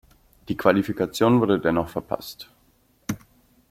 Die Qualifikation wurde dennoch verpasst.